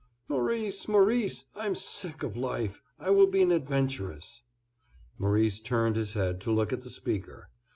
"Maurice, Maurice, I'm sick of life. I will be an adventuress." Maurice turned his head to look at the speaker.